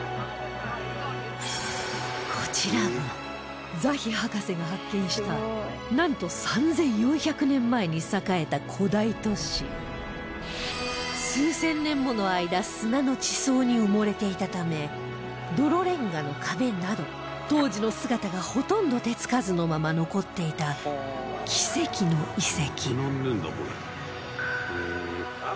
こちらが、ザヒ博士が発見したなんと３４００年前に栄えた古代都市数千年もの間砂の地層に埋もれていたため泥レンガの壁など当時の姿が、ほとんど手付かずのまま残っていた奇跡の遺跡